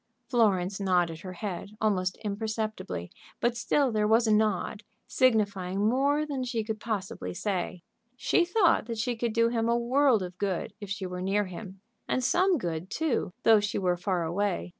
Florence nodded her head, almost imperceptibly, but still there was a nod, signifying more than she could possibly say. She thought that she could do him a world of good if she were near him, and some good, too, though she were far away.